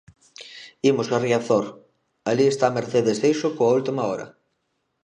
Imos a Riazor alí está Mercedes Seixo coa última hora.